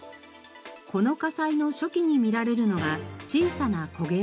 この火災の初期に見られるのが小さなこげ跡。